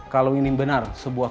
kalau ini benar